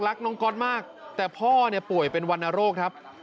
รักน้องก๊อตมากแต่พ่อเนี่ยป่วยเป็นวรรณโรคครับ